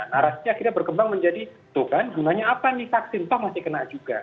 narasinya akhirnya berkembang menjadi tuh kan gunanya apa nih vaksin toh nanti kena juga